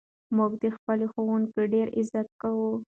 موږ د خپلو ښوونکو ډېر عزت کوو.